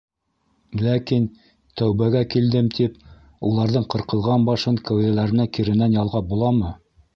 Ләкин... тәүбәгә килдем тип... уларҙың ҡырҡылған башын кәүҙәләренә киренән ялғап буламы?!